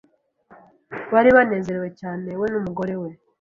bari banezerewe cyane we numugore we